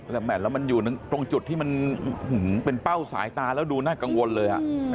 แล้วมันอยู่ตรงจุดที่มันเป็นเป้าสายตาแล้วดูน่ากังวลเลย